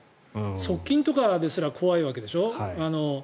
側近とかですら怖いわけでしょ。